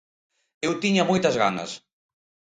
Eu tiña moitas ganas.